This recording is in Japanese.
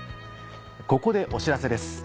ここでお知らせです。